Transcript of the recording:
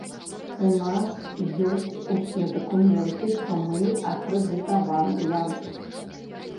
У нас ёсць усе дакументы, што мы акрэдытаваныя.